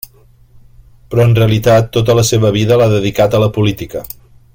Però en realitat tota la seva vida l'ha dedicat a la política.